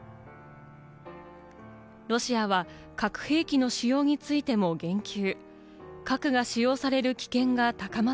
ロシアは核兵器の使用についても言及。